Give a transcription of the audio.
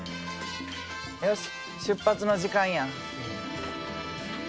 よし出発の時間や。